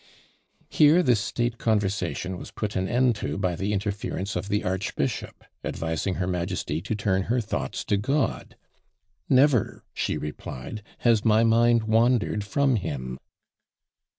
Here this state conversation was put an end to by the interference of the archbishop advising her majesty to turn her thoughts to God. "Never," she replied, "has my mind wandered from him."